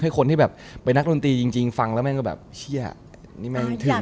ให้คนที่แบบไปนักดนตรีจริงฟังแล้วแม่งก็แบบเชี่ยนี่แม่งถึงหว่า